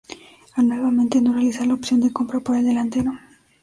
Al nuevamente no realizar la opción de compra por el delantero.